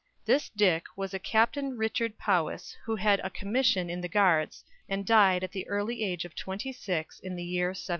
This Dick was a Captain Richard Powys who had a commission in the Guards, and died at the early age of twenty six in the year 1768.